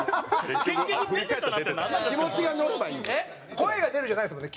「声が出る」じゃないですもんね。